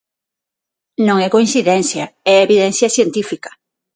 Non é coincidencia, é evidencia científica.